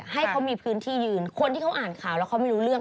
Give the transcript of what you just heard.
ให้เขามีพื้นที่ยืนคนที่เขาอ่านข่าวแล้วเขาไม่รู้เรื่อง